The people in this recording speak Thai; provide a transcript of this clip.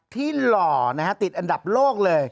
หล่อนะฮะติดอันดับโลกเลย